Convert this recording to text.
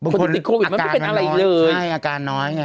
คนที่ติดโควิดมันไม่เป็นอะไรเลยอาการน้อย